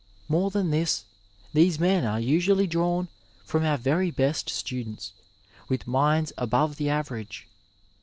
More than this, these men are usually drawn from our very best students, with minds above the average.